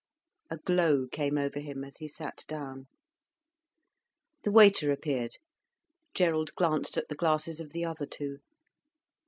A glow came over him as he sat down. The waiter appeared. Gerald glanced at the glasses of the other two.